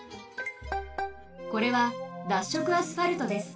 これは脱色アスファルトです。